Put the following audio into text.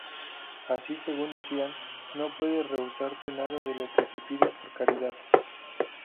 Así, según decían, no puede rehusarse nada de lo que se pide por caridad.